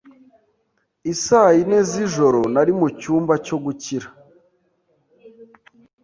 I saa yine z'ijoro, nari mu cyumba cyo gukira.